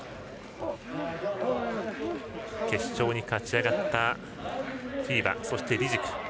決勝に勝ち上がったフィーバそしてリジク。